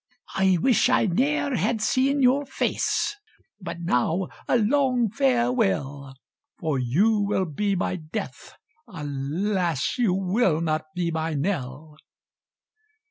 "I wish I ne'er had seen your face; But, now, a long farewell! For you will be my death: alas! You will not be my _Nell!